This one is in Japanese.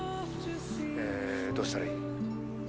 えどうしたらいい？